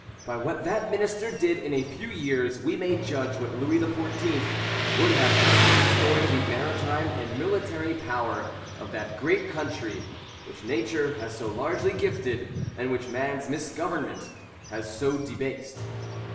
By what that minister did in a few years, we may judge what Louis XIV. would have done in restoring the maritime and military power of that great country which nature has so largely gifted, and which man's misgovernment has so debased.